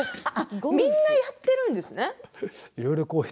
みんなやってるんですかね。